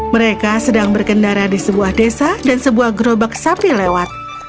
mereka sedang berkendara di sebuah desa dan sebuah gerobak sapi lewat